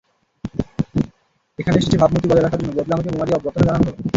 এখানে এসেছি ভাবমূর্তি বজায় রাখার জন্য, বদলে আমাকে বোমা দিয়ে অভ্যর্থনা জানানো হলো?